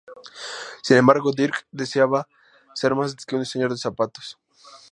Sin embargo, Dirk deseaba ser más que un diseñador de zapatos.